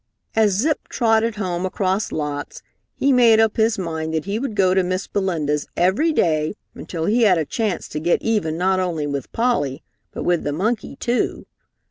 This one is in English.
As Zip trotted home across lots, he made up his mind that he would go to Miss Belinda's every day until he had a chance to get even not only with Polly, but with the monkey too.